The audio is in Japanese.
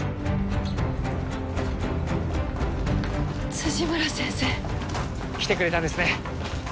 辻村先生。来てくれたんですね。